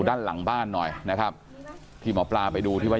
ด้านหลังบ้านหน่อยนะครับเดี๋ยวหมอปลาไปดูที่ไว้ยัด